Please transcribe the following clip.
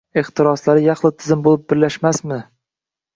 Ehtiroslari yaxlit tizim bo’lib birlashmasmi?